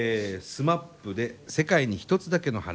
ＳＭＡＰで「世界に一つだけの花」。